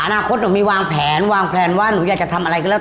อนาคตหนูมีวางแผนวางแพลนว่าหนูอยากจะทำอะไรก็แล้ว